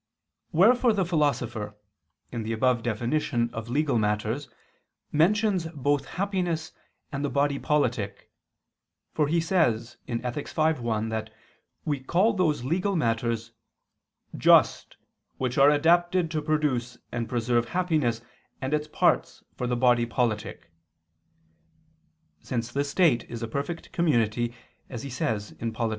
Wherefore the Philosopher, in the above definition of legal matters mentions both happiness and the body politic: for he says (Ethic. v, 1) that we call those legal matters "just, which are adapted to produce and preserve happiness and its parts for the body politic": since the state is a perfect community, as he says in _Polit.